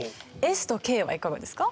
「Ｓ」と「Ｋ」はいかがですか？